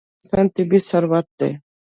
ځمکه د افغانستان طبعي ثروت دی.